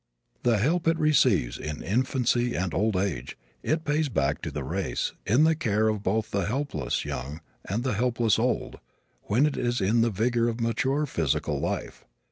The help it receives, in infancy and old age, it pays back to the race, in the care of both the helpless young and the helpless old, when it is in the vigor of mature physical life.